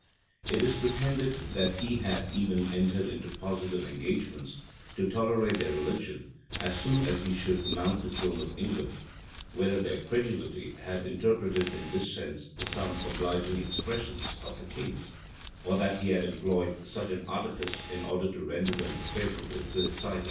It is pretended, that he had even entered into positive engagements to tolerate their religion as soon as he should mount the throne of England; whether their credulity had interpreted in this sense some obliging expressions of the king's, or that he had employed such an artifice in order to render them favorable to his title.